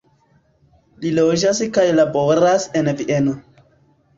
Li loĝas kaj laboras en Vieno.